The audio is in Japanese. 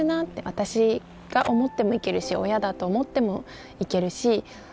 私が思ってもいけるし親だと思ってもいけるし。